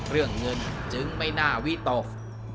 เรื่องเงินจึงไม่น่าวิตก